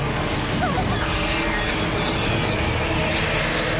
あっ。